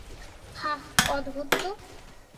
হাহ, অদ্ভুত তো।